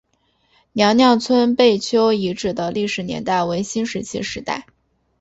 娘娘村贝丘遗址的历史年代为新石器时代。